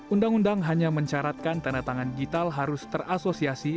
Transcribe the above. undang undang hanya mencaratkan tanda tangan digital harus terasosiasi